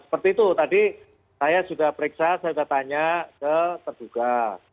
seperti itu tadi saya sudah periksa saya sudah tanya ke terduga